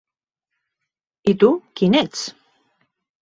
I tu, quin ets?